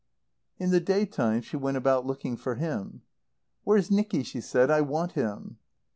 In the day time she went about looking for him. "Where's Nicky?" she said. "I want him."